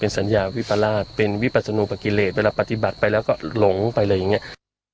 สัญญาวิปราชเป็นวิปัสโนปกิเลสเวลาปฏิบัติไปแล้วก็หลงไปเลยอย่างนี้